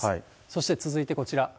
そして続いてこちら。